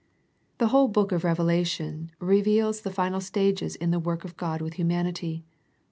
The whole book of Revelation reveals the final stages in the work of God with humanity.